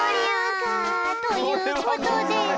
はあということで。